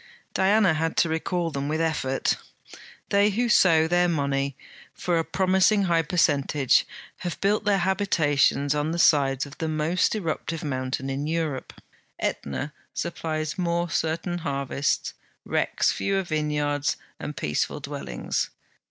Diana had to recall them with effort. They who sow their money for a promising high percentage have built their habitations on the sides of the most eruptive mountain in Europe. AEtna supplies more certain harvests, wrecks fewer vineyards and peaceful dwellings.